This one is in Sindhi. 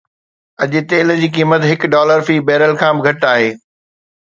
اڄ تيل جي قيمت هڪ ڊالر في بيرل کان به گهٽ آهي.